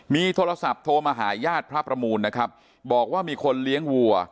มีโทรศัพท์โทรมาหาญาติพระประมูลนะครับบอกว่ามีคนเลี้ยงวัว